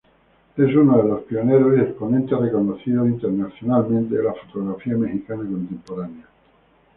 Es uno de los pioneros y exponentes reconocidos internacionalmente de la fotografía mexicana contemporánea.